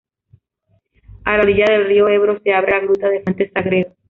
A la orilla del río Ebro, se abre la gruta de Fuente Sagredo.